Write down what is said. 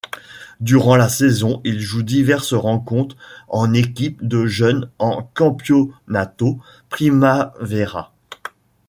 Durant la saison, il joue diverses rencontres en équipe de jeunes en Campionato Primavera.